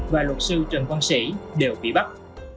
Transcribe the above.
và luật sư trần quang sĩ đều bị bắt